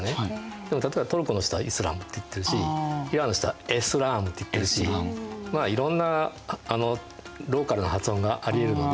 でも例えばトルコの人は「イスラム」って言ってるしイランの人は「エスラーム」って言ってるしまあいろんなローカルな発音がありえるので。